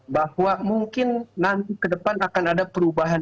bahwa mungkin nanti ke depan akan ada perubahan